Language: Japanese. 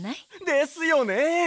ですよね。